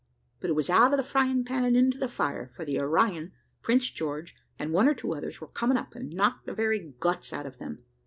But it was out of the frying pan into the fire: for the Orion, Prince George, and one or two others, were coming up, and knocked the very guts out of them.